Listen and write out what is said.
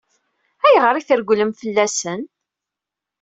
Ayɣer i tregglem fell-asen?